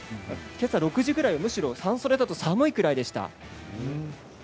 けさ６時ぐらいむしろ半袖では寒いぐらいでした。